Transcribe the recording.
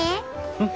うん？